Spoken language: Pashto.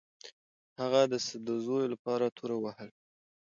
هغه د سدوزیو لپاره توره ووهله.